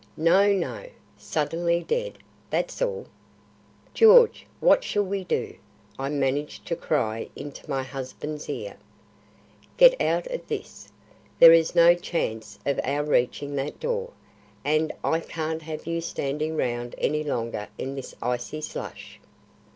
"No, no! suddenly dead; that's all." "George, what shall we do?" I managed to cry into my husband's ear. "Get out of this. There is no chance of our reaching that door, and I can't have you standing round any longer in this icy slush."